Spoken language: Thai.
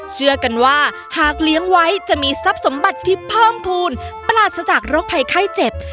เชื่อกันว่าหากเลี้ยงไว้จะมีทรัพย์สมบัติที่เพิ่มภูมิปราศจากโรคภัยไข้เจ็บ